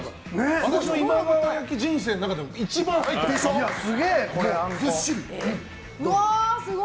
私の今川焼人生の中でも一番入っています。